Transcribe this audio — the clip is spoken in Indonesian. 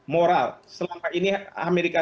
moral selama ini amerika